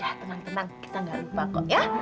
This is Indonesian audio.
ah tenang tenang kita gak lupa kok ya